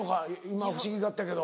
今不思議がったけど。